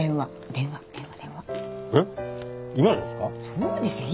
そうですよ。